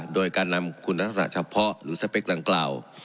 โดยการนำคุณทักษะเฉพาะหรือสเปคดังกล่าว